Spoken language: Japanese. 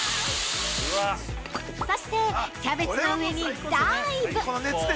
◆そして、キャベツの上にダーイブ！